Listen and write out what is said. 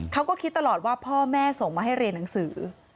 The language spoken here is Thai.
เขาก็คิดตลอดว่าพ่อแม่ส่งมาให้เรียนหนังสือ